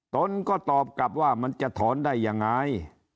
ตนก็ตอบกลับว่ามันจะถอนได้ยังไง